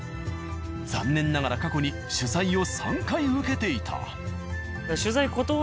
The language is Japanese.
残念ながら過去に取材を３回受けていた。